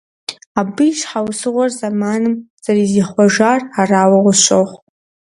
Абы и щхьэусыгъуэр зэманым зэрызихъуэжар арауэ къысщохъу.